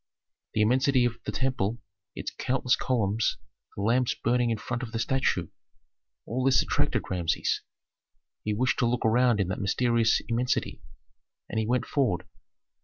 The immensity of the temple, its countless columns, the lamps burning in front of the statue, all this attracted Rameses. He wished to look around in that mysterious immensity, and he went forward.